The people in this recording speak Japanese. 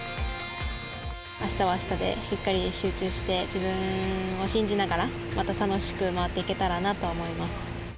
あしたはあしたで、しっかり集中して、自分を信じながら、また楽しく回っていけたらなと思います。